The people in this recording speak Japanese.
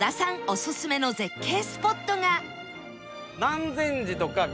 オススメの絶景スポットが